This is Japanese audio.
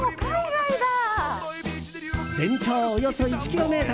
全長およそ１ｋｍ。